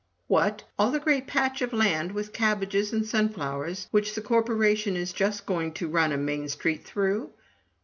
"What ! all the great patch of land with cabbages and sunflowers, which the corporation is just going to run a main street through?"